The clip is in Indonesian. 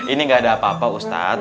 ini gak ada apa apa ustadz